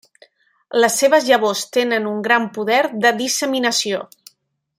Les seves llavors tenen un gran poder de disseminació.